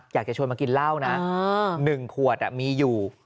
อยากจะชวนมากินเหล้านะ๑ขวดมีอยู่